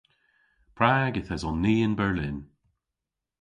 Prag yth eson ni yn Berlin?